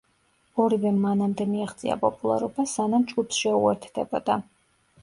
ორივემ მანამდე მიაღწია პოპულარობას, სანამ ჯგუფს შეუერთდებოდა.